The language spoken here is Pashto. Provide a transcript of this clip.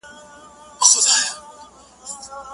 چی له خپلو انسانانو مو زړه شین سي!.